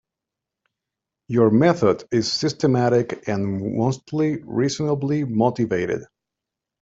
Your method is systematic and mostly reasonably motivated.